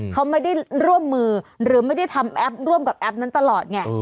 เขาไม่ได้ร่วมมือหรือไม่ได้ทำแอปร่วมกับแอปนั้นตลอดไง